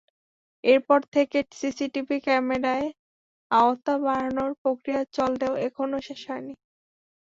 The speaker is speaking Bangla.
এরপর থেকে সিসিটিভি ক্যামেরার আওতা বাড়ানোর প্রক্রিয়া চললেও এখনো শেষ হয়নি।